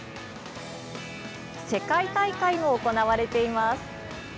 世界大会も行われています。